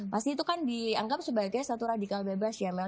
pasti itu kan dianggap sebagai satu radikal bebas ya